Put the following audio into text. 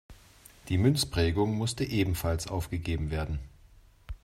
Die Münzprägung musste ebenfalls aufgegeben werden.